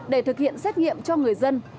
để thực hiện xét nghiệm cho người dân